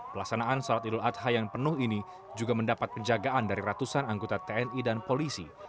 pelaksanaan salat idul adha yang penuh ini juga mendapat penjagaan dari ratusan anggota tni dan polisi